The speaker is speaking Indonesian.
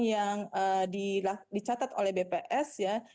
yang dicatat oleh bps ya